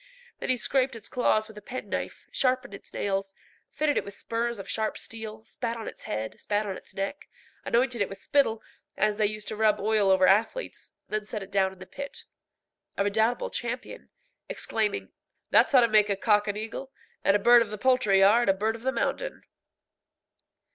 Then he scraped its claws with a penknife, sharpened its nails, fitted it with spurs of sharp steel, spat on its head, spat on its neck, anointed it with spittle, as they used to rub oil over athletes; then set it down in the pit, a redoubtable champion, exclaiming, "That's how to make a cock an eagle, and a bird of the poultry yard a bird of the mountain."